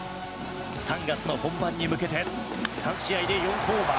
３月の本番に向けて３試合で４ホーマー。